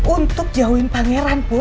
untuk jauhin pangeran put